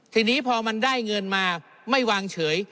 ทีนี้พอมันได้เงินมาไม่วางเฉย